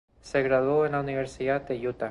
Se graduó en la Universidad de Utah.